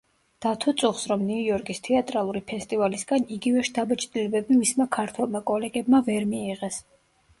დათო წუხს, რომ ნიუ-იორკის თეატრალური ფესტივალისგან იგივე შთაბეჭდილებები მისმა ქართველმა კოლეგებმა ვერ მიიღეს.